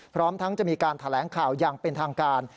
พร้อมทั้งจะมีการแถลงข่าวอย่างเป็นทางการ